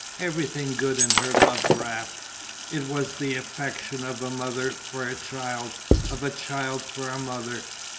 Everything good in her loved Raft, it was the affection of a mother for a child, of a child for a mother.